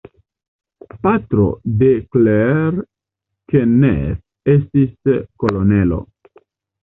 Patro de Claire Kenneth estis kolonelo.